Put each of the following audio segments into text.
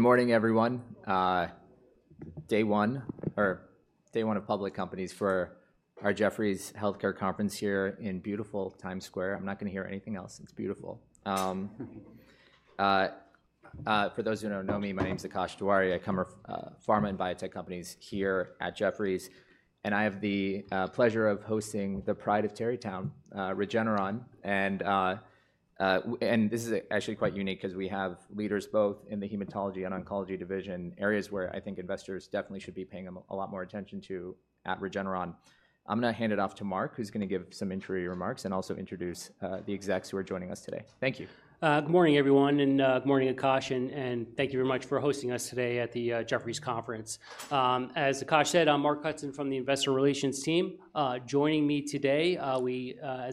Good morning, everyone. Day one, or day one of public companies for our Jefferies Healthcare Conference here in beautiful Times Square. I'm not gonna hear anything else. It's beautiful. For those who don't know me, my name's Akash Tewari. I cover pharma and biotech companies here at Jefferies, and I have the pleasure of hosting the pride of Tarrytown, Regeneron. This is actually quite unique 'cause we have leaders both in the hematology and oncology division, areas where I think investors definitely should be paying a lot more attention to at Regeneron. I'm gonna hand it off to Mark, who's gonna give some introductory remarks and also introduce the execs who are joining us today. Thank you. Good morning, everyone, and good morning, Akash, and thank you very much for hosting us today at the Jefferies conference. As Akash said, I'm Mark Hudson from the investor relations team. Joining me today, as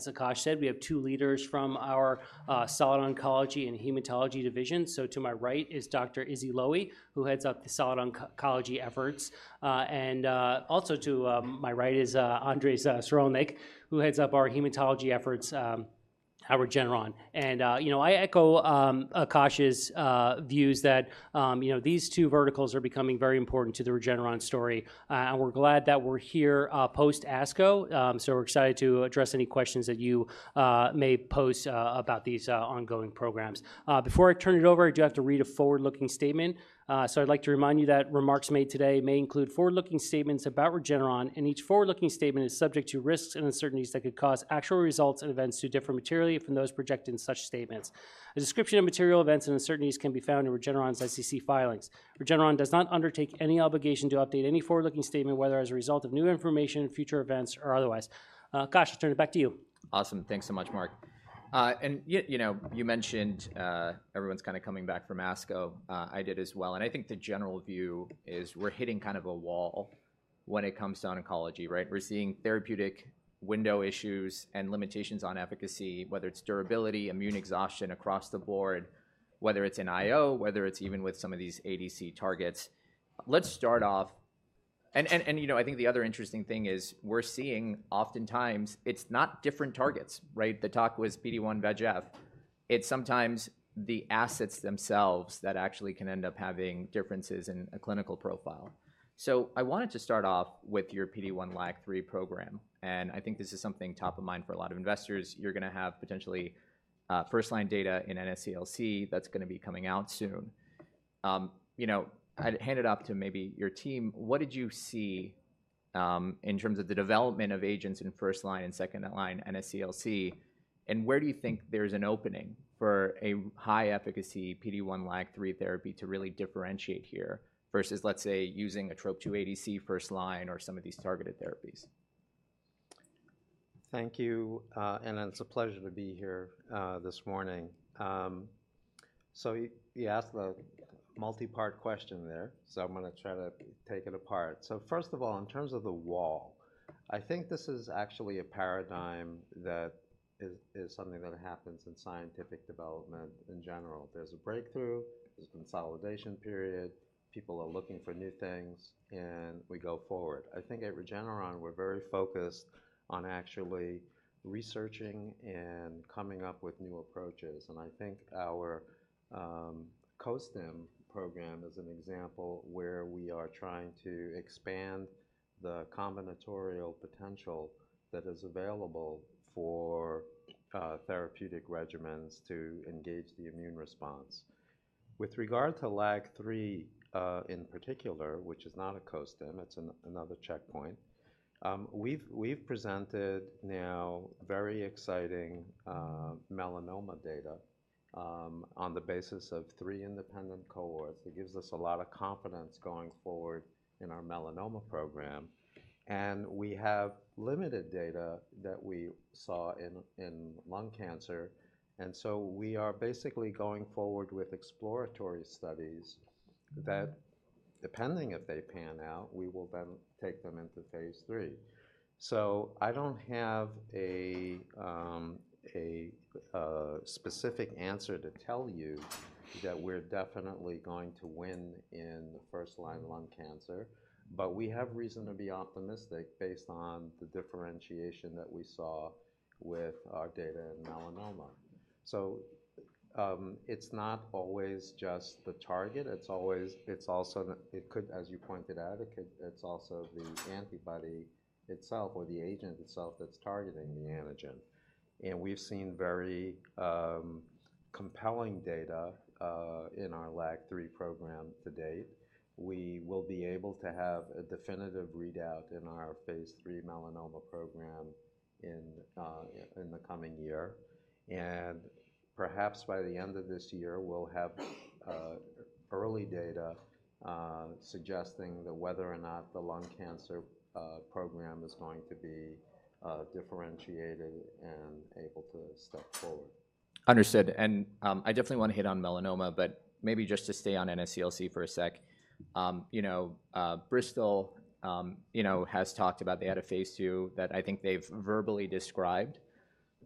Akash said, we have two leaders from our solid oncology and hematology division. So to my right is Dr. Israel Lowy, who heads up the solid oncology efforts. And also to my right is Andres Sirulnik, who heads up our hematology efforts at Regeneron. And you know, I echo Akash's views that you know, these two verticals are becoming very important to the Regeneron story. And we're glad that we're here post ASCO. So we're excited to address any questions that you may pose about these ongoing programs. Before I turn it over, I do have to read a forward-looking statement. So I'd like to remind you that remarks made today may include forward-looking statements about Regeneron, and each forward-looking statement is subject to risks and uncertainties that could cause actual results and events to differ materially from those projected in such statements. A description of material events and uncertainties can be found in Regeneron's SEC filings. Regeneron does not undertake any obligation to update any forward-looking statement, whether as a result of new information, future events, or otherwise. Akash, I turn it back to you. Awesome. Thanks so much, Mark. And yet, you know, you mentioned, everyone's kinda coming back from ASCO, I did as well, and I think the general view is we're hitting kind of a wall when it comes to oncology, right? We're seeing therapeutic window issues and limitations on efficacy, whether it's durability, immune exhaustion across the board, whether it's in IO, whether it's even with some of these ADC targets. Let's start off. And you know, I think the other interesting thing is we're seeing oftentimes it's not different targets, right? The talk was PD-1/VEGF. It's sometimes the assets themselves that actually can end up having differences in a clinical profile. So I wanted to start off with your PD-1/LAG-3 program, and I think this is something top of mind for a lot of investors. You're gonna have potentially first-line data in NSCLC that's gonna be coming out soon. You know, I'd hand it off to maybe your team, what did you see in terms of the development of agents in first line and second line NSCLC, and where do you think there's an opening for a high-efficacy PD-1/LAG-3 therapy to really differentiate here, versus, let's say, using a Trop-2 ADC first line or some of these targeted therapies? Thank you, and it's a pleasure to be here this morning. So you asked a multi-part question there, so I'm gonna try to take it apart. So first of all, in terms of the wall, I think this is actually a paradigm that is something that happens in scientific development in general. There's a breakthrough, there's a consolidation period, people are looking for new things, and we go forward. I think at Regeneron, we're very focused on actually researching and coming up with new approaches, and I think our Costim program is an example where we are trying to expand the combinatorial potential that is available for therapeutic regimens to engage the immune response. With regard to LAG-3, in particular, which is not a Costim, it's another checkpoint, we've presented now very exciting melanoma data on the basis of three independent cohorts. It gives us a lot of confidence going forward in our melanoma program, and we have limited data that we saw in lung cancer. And so we are basically going forward with exploratory studies that, depending if they pan out, we will then take them into phase three. So I don't have a specific answer to tell you that we're definitely going to win in the first line of lung cancer, but we have reason to be optimistic based on the differentiation that we saw with our data in melanoma. So, it's not always just the target, it's also the antibody itself or the agent itself that's targeting the antigen, as you pointed out. And we've seen very compelling data in our LAG-3 program to date. We will be able to have a definitive readout in our phase III melanoma program in the coming year. And perhaps by the end of this year, we'll have early data suggesting that whether or not the lung cancer program is going to be differentiated and able to step forward. Understood. And I definitely wanna hit on melanoma, but maybe just to stay on NSCLC for a sec. You know, Bristol has talked about they had a phase 2 that I think they've verbally described.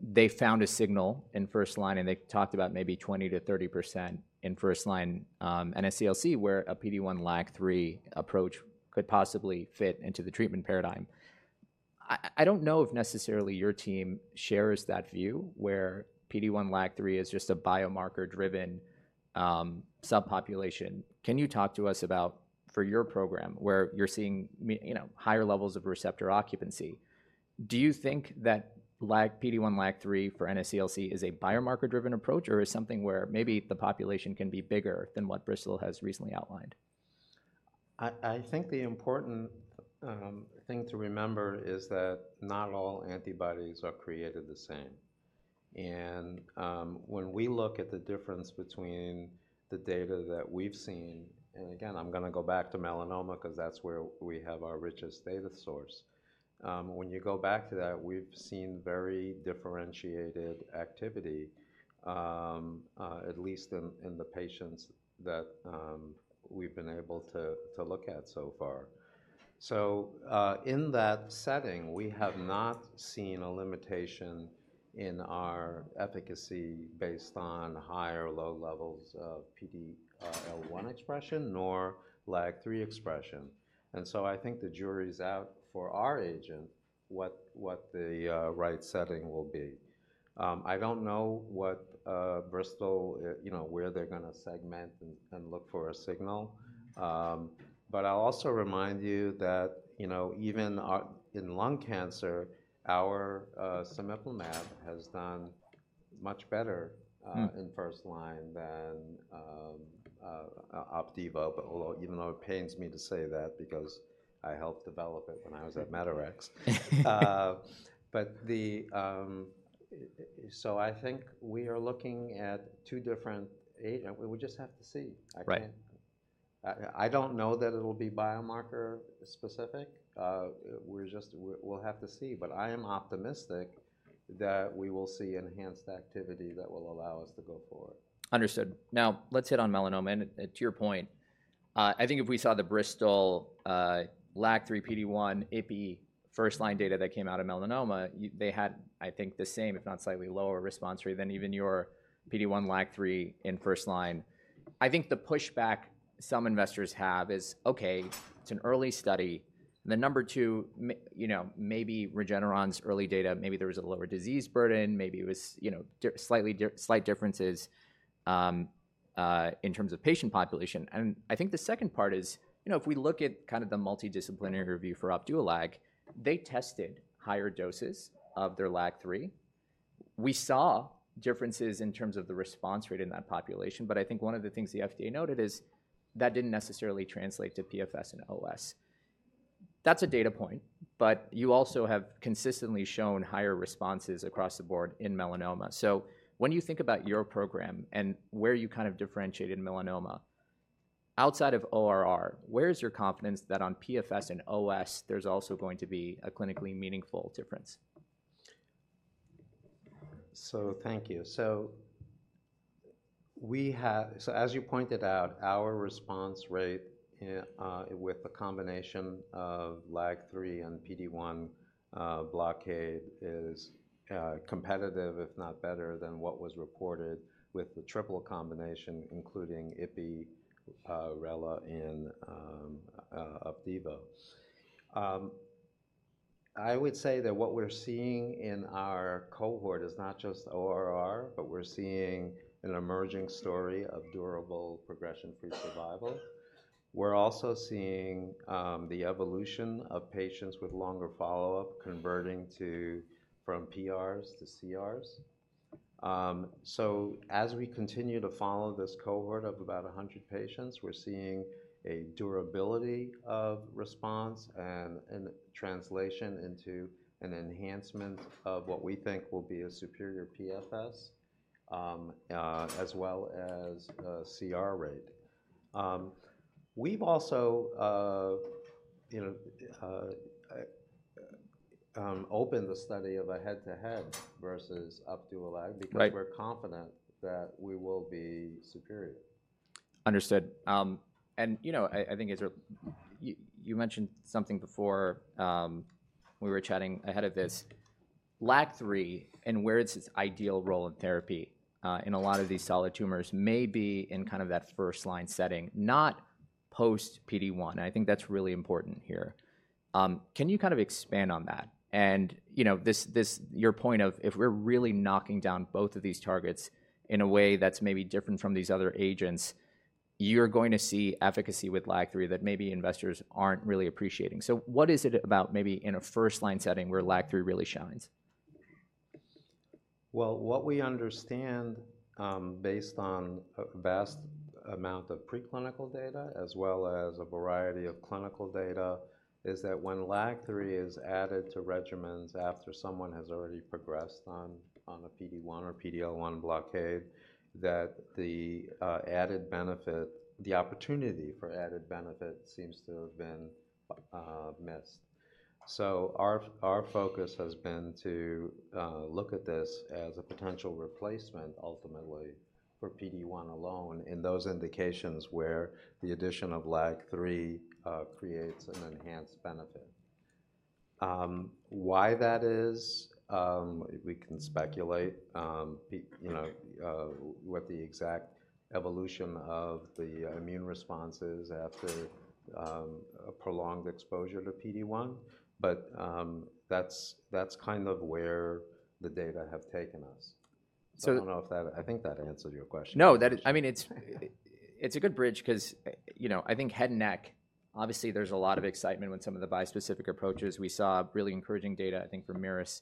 They found a signal in first line, and they talked about maybe 20%-30% in first line NSCLC, where a PD-1/LAG-3 approach could possibly fit into the treatment paradigm. I don't know if necessarily your team shares that view, where PD-1/LAG-3 is just a biomarker-driven subpopulation. Can you talk to us about, for your program, where you're seeing you know, higher levels of receptor occupancy? Do you think that PD-1/LAG-3 for NSCLC is a biomarker-driven approach, or is something where maybe the population can be bigger than what Bristol has recently outlined? I think the important thing to remember is that not all antibodies are created the same. And when we look at the difference between the data that we've seen, and again, I'm gonna go back to melanoma 'cause that's where we have our richest data source. When you go back to that, we've seen very differentiated activity at least in the patients that we've been able to look at so far. So in that setting, we have not seen a limitation in our efficacy based on high or low levels of PD-L1 expression, nor LAG-3 expression. And so I think the jury's out for our agent, what the right setting will be. I don't know what Bristol you know where they're gonna segment and look for a signal. but I'll also remind you that, you know, even in lung cancer, our cemiplimab has done much better- Hmm. In first-line than Opdivo. Although, even though it pains me to say that because I helped develop it when I was at Medarex. So I think we are looking at two different, we just have to see. Right. I can't. I don't know that it'll be biomarker specific. We're just, we'll have to see, but I am optimistic that we will see enhanced activity that will allow us to go forward. Understood. Now, let's hit on melanoma, and to your point, I think if we saw the Bristol LAG-3/PD-1, Ipi first-line data that came out of melanoma, they had, I think, the same if not slightly lower response rate than even your PD-1/LAG-3 in first line. I think the pushback some investors have is, okay, it's an early study, and then number two, you know, maybe Regeneron's early data, maybe there was a lower disease burden, maybe it was, you know, slight differences in terms of patient population. And I think the second part is, you know, if we look at kind of the multidisciplinary review for Opdualag, they tested higher doses of their LAG-3. We saw differences in terms of the response rate in that population, but I think one of the things the FDA noted is that didn't necessarily translate to PFS and OS. That's a data point, but you also have consistently shown higher responses across the board in melanoma. So when you think about your program and where you kind of differentiate in melanoma, outside of ORR, where is your confidence that on PFS and OS, there's also going to be a clinically meaningful difference? So thank you. So as you pointed out, our response rate with the combination of LAG-3 and PD-1 blockade is competitive, if not better, than what was reported with the triple combination, including Ipi, Rela, and Opdivo. I would say that what we're seeing in our cohort is not just ORR, but we're seeing an emerging story of durable progression-free survival. We're also seeing the evolution of patients with longer follow-up converting to, from PRs to CRs. So as we continue to follow this cohort of about 100 patients, we're seeing a durability of response and translation into an enhancement of what we think will be a superior PFS, as well as CR rate. We've also, you know, opened the study of a head-to-head versus Opdualag. Right... because we're confident that we will be superior. Understood. And, you know, I think as you mentioned something before, we were chatting ahead of this. LAG-3 and where its ideal role in therapy in a lot of these solid tumors may be in kind of that first line setting, not post PD-1, and I think that's really important here. Can you kind of expand on that? And, you know, your point of, if we're really knocking down both of these targets in a way that's maybe different from these other agents, you're going to see efficacy with LAG-3 that maybe investors aren't really appreciating. So what is it about maybe in a first line setting where LAG-3 really shines? Well, what we understand, based on a vast amount of preclinical data, as well as a variety of clinical data, is that when LAG-3 is added to regimens after someone has already progressed on a PD-1 or PD-L1 blockade, that the added benefit, the opportunity for added benefit seems to have been missed. So our focus has been to look at this as a potential replacement, ultimately, for PD-1 alone in those indications where the addition of LAG-3 creates an enhanced benefit. Why that is, we can speculate, you know, what the exact evolution of the immune responses after a prolonged exposure to PD-1, but that's kind of where the data have taken us. So- I don't know if that, I think that answered your question. No, that, I mean, it's a good bridge 'cause, you know, I think head and neck, obviously there's a lot of excitement when some of the bispecific approaches. We saw really encouraging data, I think, for Merus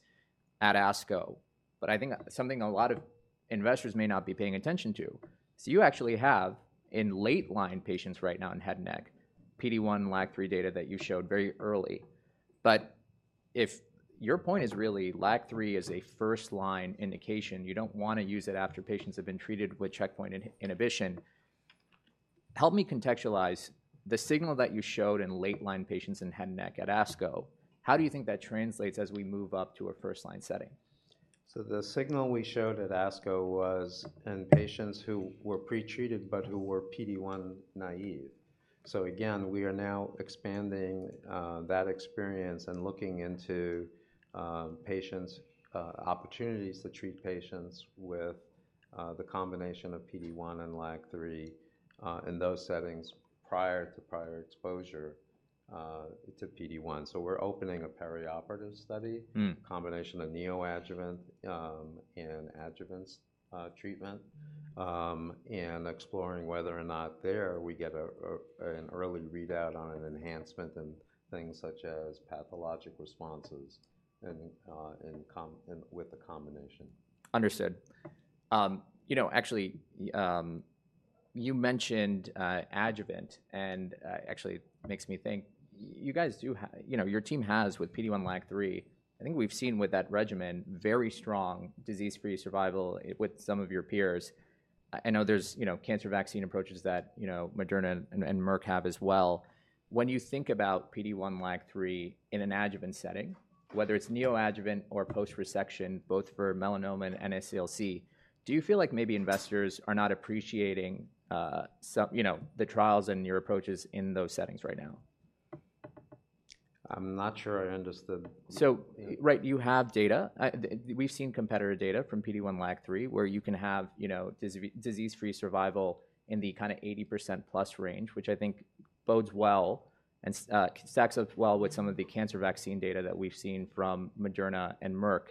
at ASCO. But I think something a lot of investors may not be paying attention to, so you actually have, in late line patients right now in head and neck, PD-1, LAG-3 data that you showed very early. But if your point is really LAG-3 is a first-line indication, you don't wanna use it after patients have been treated with checkpoint inhibition. Help me contextualize the signal that you showed in late line patients in head and neck at ASCO. How do you think that translates as we move up to a first-line setting? So the signal we showed at ASCO was in patients who were pretreated but who were PD-1 naive. So again, we are now expanding that experience and looking into patients opportunities to treat patients with the combination of PD-1 and LAG-3 in those settings prior to prior exposure to PD-1. So we're opening a perioperative study- Mm. combination of neoadjuvant and adjuvants treatment, and exploring whether or not there we get an early readout on an enhancement in things such as pathologic responses and with the combination. Understood. You know, actually, you mentioned adjuvant, and actually it makes me think, you guys do have... You know, your team has, with PD-1, LAG-3, I think we've seen with that regimen, very strong disease-free survival with some of your peers. I know there's, you know, cancer vaccine approaches that, you know, Moderna and Merck have as well. When you think about PD-1, LAG-3 in an adjuvant setting, whether it's neoadjuvant or post-resection, both for melanoma and NSCLC, do you feel like maybe investors are not appreciating some, you know, the trials and your approaches in those settings right now? I'm not sure I understood. So, right, you have data. We've seen competitor data from PD-1, LAG-3, where you can have, you know, disease-free survival in the kinda 80%+ range, which I think bodes well and stacks up well with some of the cancer vaccine data that we've seen from Moderna and Merck.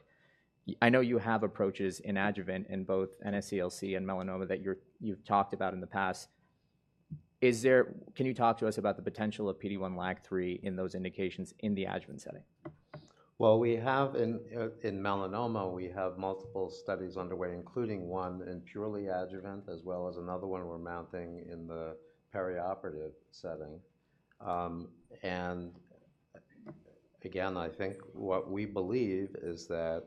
I know you have approaches in adjuvant in both NSCLC and melanoma that you've talked about in the past. Can you talk to us about the potential of PD-1, LAG-3 in those indications in the adjuvant setting? Well, we have in melanoma, we have multiple studies underway, including one in purely adjuvant, as well as another one we're mounting in the perioperative setting. And again, I think what we believe is that,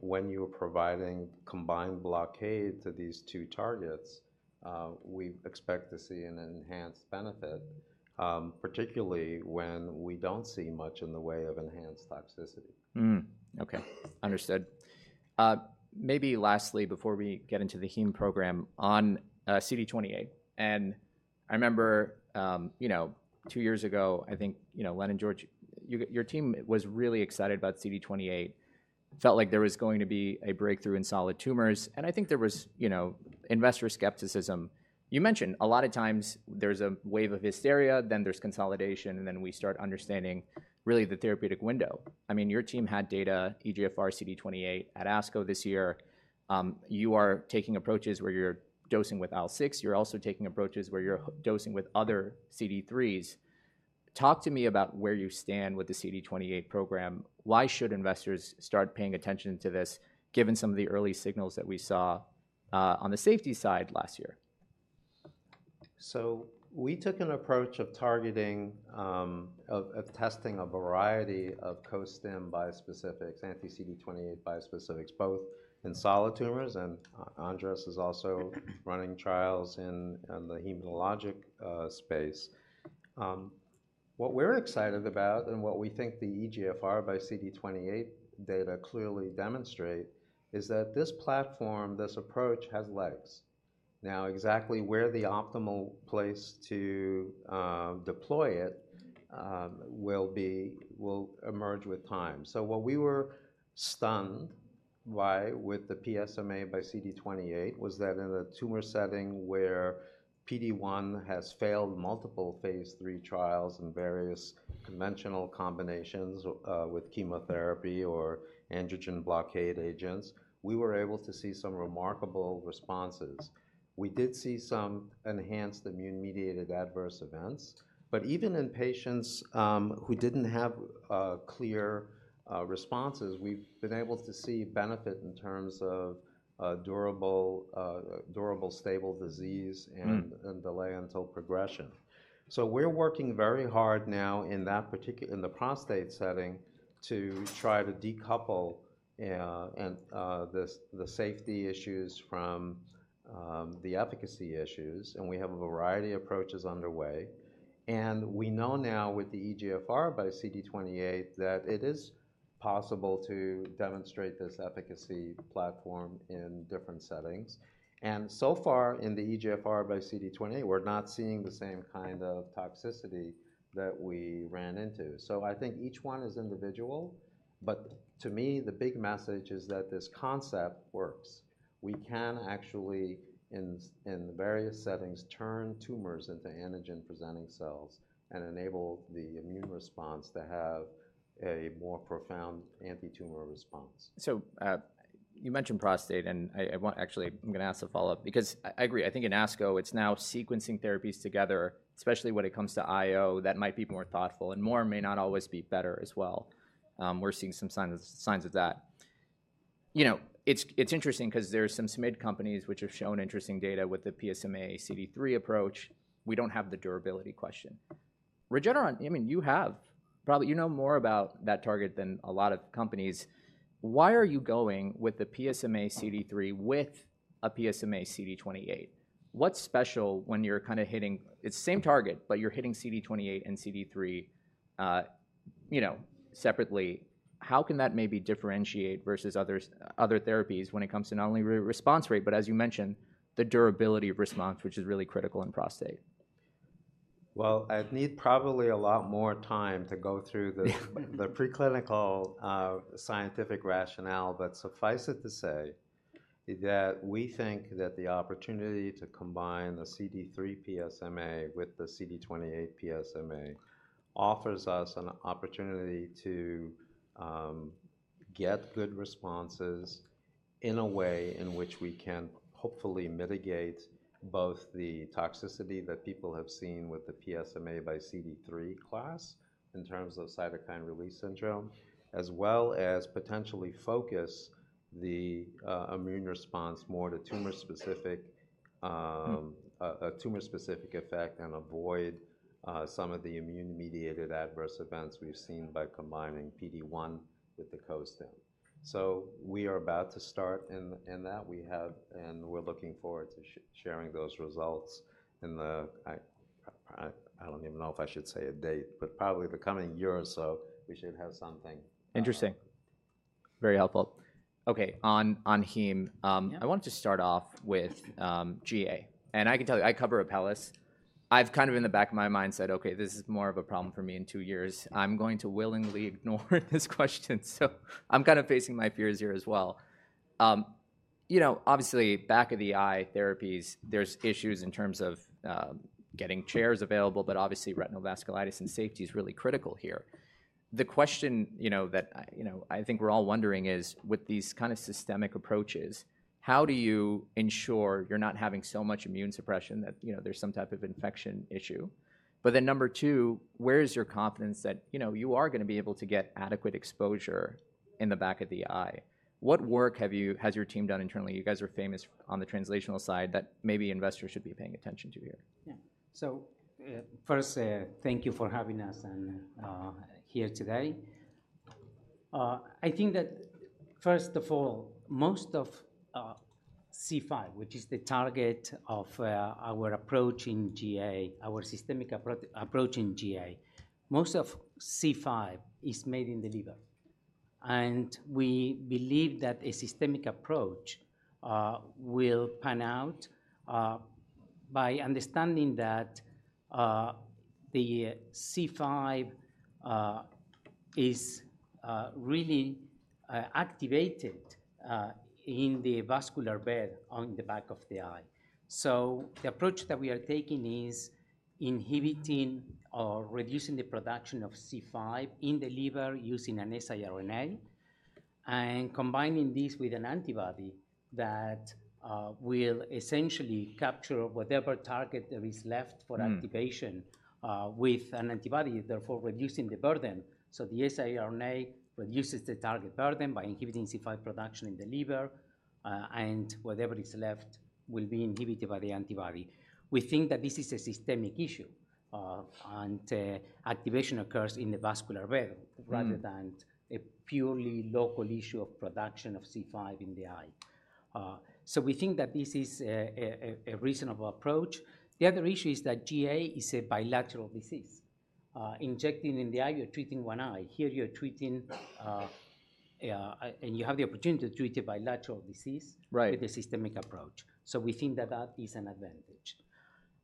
when you're providing combined blockade to these two targets, we expect to see an enhanced benefit, particularly when we don't see much in the way of enhanced toxicity. Okay, understood. Maybe lastly, before we get into the heme program, on CD28, and I remember, you know, two years ago, I think, you know, Len and George, your team was really excited about CD28. It felt like there was going to be a breakthrough in solid tumors, and I think there was, you know, investor skepticism. You mentioned a lot of times there's a wave of hysteria, then there's consolidation, and then we start understanding really the therapeutic window. I mean, your team had data, EGFR, CD28 at ASCO this year. You are taking approaches where you're dosing with IL-6. You're also taking approaches where you're dosing with other CD3s. Talk to me about where you stand with the CD28 program. Why should investors start paying attention to this, given some of the early signals that we saw on the safety side last year? So we took an approach of targeting, of testing a variety of co-stim bispecifics, anti-CD28 bispecifics, both in solid tumors, and Andres is also running trials in the hematologic space. What we're excited about and what we think the EGFR by CD28 data clearly demonstrate is that this platform, this approach, has legs. Now, exactly where the optimal place to deploy it will be will emerge with time. So what we were stunned by with the PSMA by CD28 was that in a tumor setting where PD-1 has failed multiple Phase III trials and various conventional combinations with chemotherapy or androgen blockade agents, we were able to see some remarkable responses. We did see some enhanced immune-mediated adverse events, but even in patients who didn't have clear responses, we've been able to see benefit in terms of durable durable stable disease. Mm... and delay until progression. So we're working very hard now in that particular, in the prostate setting, to try to decouple, and, the safety issues from, the efficacy issues, and we have a variety of approaches underway. And we know now with the EGFR by CD28, that it is possible to demonstrate this efficacy platform in different settings. And so far in the EGFR by CD28, we're not seeing the same kind of toxicity that we ran into. So I think each one is individual, but to me, the big message is that this concept works. We can actually, in various settings, turn tumors into antigen-presenting cells and enable the immune response to have a more profound anti-tumor response. So, you mentioned prostate, and I want—actually, I'm gonna ask a follow-up because I agree. I think in ASCO, it's now sequencing therapies together, especially when it comes to IO, that might be more thoughtful, and more may not always be better as well. We're seeing some signs, signs of that. You know, it's interesting 'cause there are some SMID companies which have shown interesting data with the PSMA CD3 approach. We don't have the durability question. Regeneron, I mean, you have—probably you know more about that target than a lot of companies. Why are you going with the PSMA CD3, with a PSMA CD28? What's special when you're kinda hitting... It's the same target, but you're hitting CD28 and CD3, you know, separately. How can that maybe differentiate versus others, other therapies when it comes to not only response rate, but as you mentioned, the durability of response, which is really critical in prostate? Well, I'd need probably a lot more time to go through the preclinical scientific rationale, but suffice it to say, that we think that the opportunity to combine the CD3 PSMA with the CD28 PSMA offers us an opportunity to get good responses in a way in which we can hopefully mitigate both the toxicity that people have seen with the PSMA by CD3 class, in terms of cytokine release syndrome, as well as potentially focus the immune response more to tumor-specific, Mm... a tumor-specific effect and avoid some of the immune-mediated adverse events we've seen by combining PD-1 with the Costim. So we are about to start in that. We have and we're looking forward to sharing those results. I don't even know if I should say a date, but probably the coming year or so, we should have something. Interesting. Very helpful. Okay, on heme. Yeah. I want to start off with GA, and I can tell you, I cover Apellis. I've kind of in the back of my mind said, "Okay, this is more of a problem for me in two years. I'm going to willingly ignore this question," so I'm kind of facing my fears here as well. You know, obviously, back-of-the-eye therapies, there's issues in terms of getting chairs available, but obviously, retinal vasculitis and safety is really critical here. The question, you know, that, I, you know, I think we're all wondering is: With these kind of systemic approaches, how do you ensure you're not having so much immune suppression that, you know, there's some type of infection issue? But then number two, where is your confidence that, you know, you are gonna be able to get adequate exposure in the back of the eye? What work has your team done internally, you guys are famous on the translational side, that maybe investors should be paying attention to here? Yeah. So, first, thank you for having us and here today. I think that, first of all, most of C5, which is the target of our approach in GA, our systemic approach in GA, most of C5 is made in the liver, and we believe that a systemic approach will pan out by understanding that the C5 is really activated in the vascular bed on the back of the eye. So the approach that we are taking is inhibiting or reducing the production of C5 in the liver using an siRNA and combining this with an antibody that will essentially capture whatever target that is left for activation- Mm... with an antibody, therefore reducing the burden. So the siRNA reduces the target burden by inhibiting C5 production in the liver, and whatever is left will be inhibited by the antibody. We think that this is a systemic issue, and activation occurs in the vascular bed- Mm... rather than a purely local issue of production of C5 in the eye. So we think that this is a reasonable approach. The other issue is that GA is a bilateral disease. Injecting in the eye, you're treating one eye. Here, you're treating and you have the opportunity to treat a bilateral disease- Right... with a systemic approach, so we think that that is an advantage.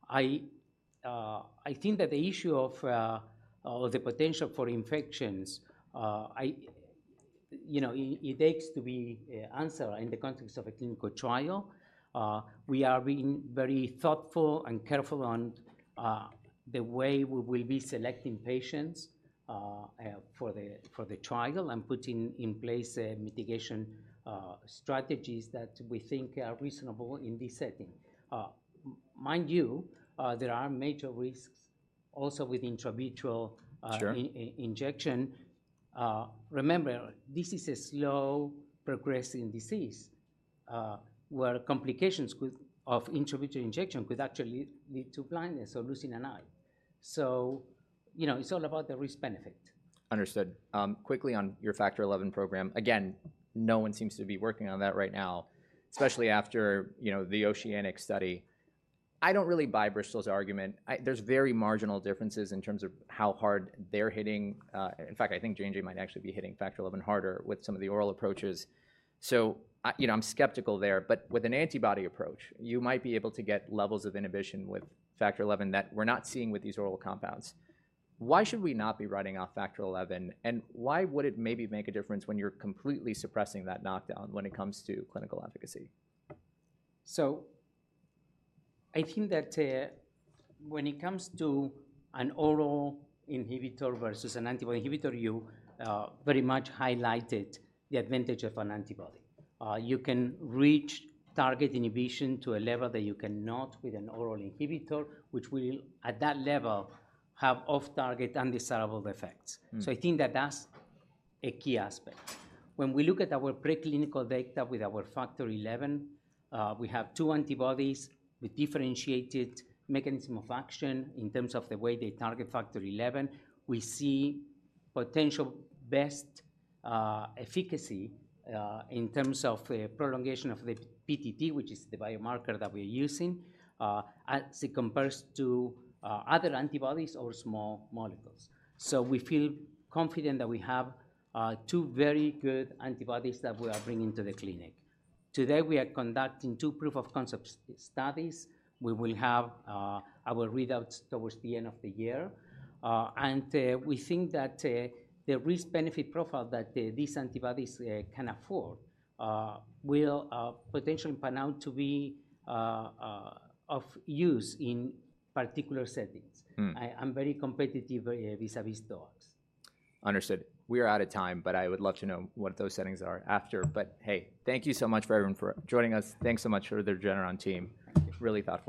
I think that the issue of the potential for infections. You know, it takes to be answered in the context of a clinical trial. We are being very thoughtful and careful on the way we will be selecting patients for the trial and putting in place mitigation strategies that we think are reasonable in this setting. Mind you, there are major risks also with intravitreal. Sure... injection. Remember, this is a slow-progressing disease, where complications with, of intravitreal injection could actually lead to blindness or losing an eye. So, you know, it's all about the risk-benefit. Understood. Quickly on your Factor XI program, again, no one seems to be working on that right now, especially after, you know, the Oceanic study. I don't really buy Bristol's argument. There's very marginal differences in terms of how hard they're hitting. In fact, I think JNJ might actually be hitting Factor XI harder with some of the oral approaches. So I, you know, I'm skeptical there, but with an antibody approach, you might be able to get levels of inhibition with Factor XI that we're not seeing with these oral compounds. Why should we not be writing off Factor XI, and why would it maybe make a difference when you're completely suppressing that knockdown when it comes to clinical efficacy? I think that, when it comes to an oral inhibitor versus an antibody inhibitor, you very much highlighted the advantage of an antibody. You can reach target inhibition to a level that you cannot with an oral inhibitor, which will, at that level, have off-target, undesirable effects. Mm. So I think that that's a key aspect. When we look at our preclinical data with our Factor XI, we have two antibodies with differentiated mechanism of action in terms of the way they target Factor XI. We see potential best efficacy in terms of prolongation of the PTT, which is the biomarker that we're using, as it compares to other antibodies or small molecules. So we feel confident that we have two very good antibodies that we are bringing to the clinic. Today, we are conducting two proof of concept studies. We will have our readouts towards the end of the year, and we think that the risk-benefit profile that these antibodies can afford will potentially pan out to be of use in particular settings. Mm. I'm very competitive, vis-à-vis dogs. Understood. We are out of time, but I would love to know what those settings are after. But, hey, thank you so much for everyone for joining us. Thanks so much for the Regeneron team. Really thoughtful.